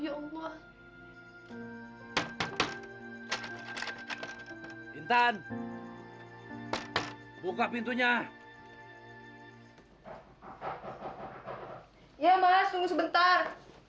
ya allah intan buka pintunya ya mas tunggu sebentar